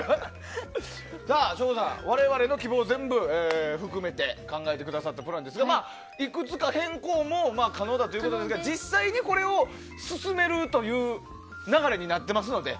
省吾さん、我々の希望を全部含めて考えてくださったプランですが、いくつか変更も可能だということですが実際にこれを進めるという流れになってますので。